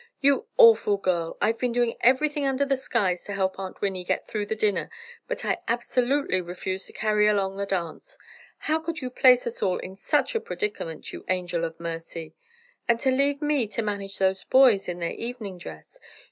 "You awful girl! I've been doing everything under the skies to help Aunt Winnie get through the dinner, but I absolutely refuse to carry along the dance! How could you place us all in such a predicament, you angel of mercy! And to leave me to manage those boys in their evening dress!